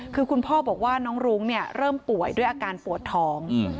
คือคุณพ่อบอกว่าน้องรุ้งเริ่มป่วยด้วยอาการปวดท้อง